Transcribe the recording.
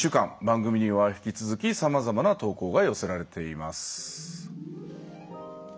番組には引き続きさまざまな投稿が寄せられています。